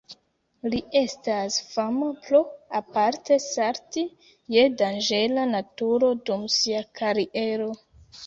Li estas fama pro aparte salti je danĝera naturo dum sia kariero.